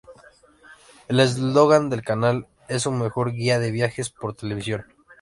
El eslogan del canal es "Su mejor guía de viajes por televisión".